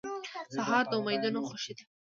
سهار د امیدونو خوښي ده.